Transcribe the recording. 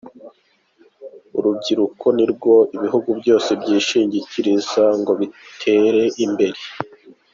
Urubyiruko nirwo ibihugu byose byishingikiriza ngo bitere imbere.